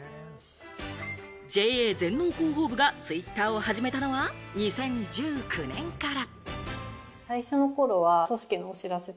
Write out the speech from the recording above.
ＪＡ全農広報部がツイッターを始めたのは２０１９年から。